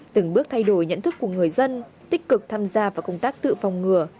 từng bước thay đổi nhận thức của người dân tích cực tham gia vào công tác tự phòng ngừa